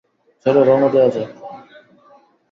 চলো, রওয়ানা দেওয়া যাক।